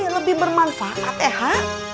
lebih bermanfaat eha